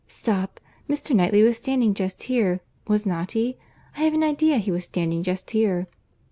—Stop; Mr. Knightley was standing just here, was not he? I have an idea he was standing just here."